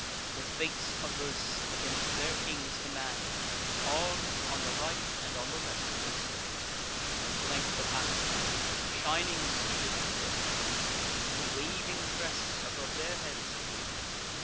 With fates averse, against their king's command, Arm'd, on the right and on the left they stand, And flank the passage: shining steel they wear, And waving crests above their heads appear.